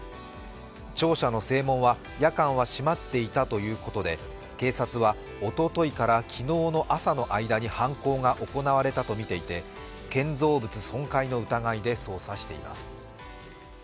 庁舎の正門は夜間は閉まっていたということで警察はおとといから昨日の朝の間に犯行が行われたとみていて建造物損壊の疑いで捜査しています。